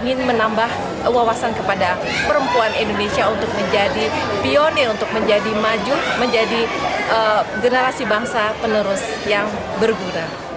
ingin menambah wawasan kepada perempuan indonesia untuk menjadi pionir untuk menjadi maju menjadi generasi bangsa penerus yang bergura